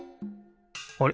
あれ？